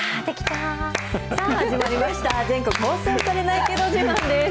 さあ、始まりました、全国放送されないけど自慢です。